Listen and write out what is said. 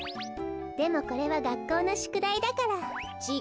でもこれはがっこうのしゅくだいだから。ちぃ